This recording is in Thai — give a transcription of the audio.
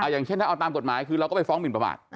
อย่างเช่นถ้าเอาตามกฎหมายคือเราก็ไปฟ้องหมินประมาท